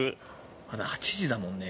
まだ８時だもんね。